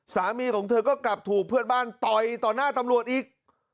สามีของเธอก็กลับถูกเพื่อนบ้านต่อยต่อหน้าตำรวจอีก